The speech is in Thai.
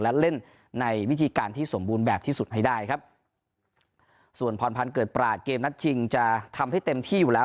และเล่นในวิธีการที่สมบูรณ์แบบที่สุดให้ได้ครับส่วนพรพันธ์เกิดปราศเกมนัดชิงจะทำให้เต็มที่อยู่แล้ว